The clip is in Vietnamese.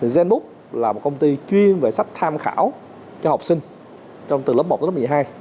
zenbook là một công ty chuyên về sách tham khảo cho học sinh từ lớp một đến lớp một mươi hai